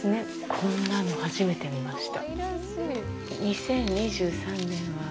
こんなの初めて見ました。